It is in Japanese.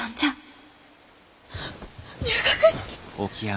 入学式！